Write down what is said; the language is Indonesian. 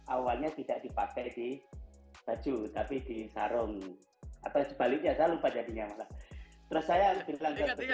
awalnya tidak dipakai di baju tapi di sarung atau sebaliknya saya lupa jadinya malah terus saya lebih